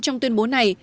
trong tuyên bố này